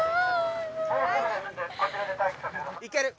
いける！